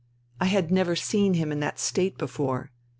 I had never seen him in that state before.